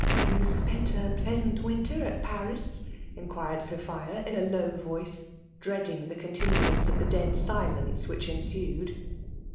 "You spent a pleasant winter at Paris?" inquired Sophia in a low voice, dreading the continuance of the dead silence which ensued.